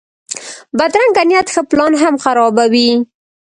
بدرنګه نیت ښه پلان هم خرابوي